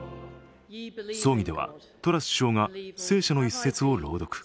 葬儀では、トラス首相が聖書の一節を朗読。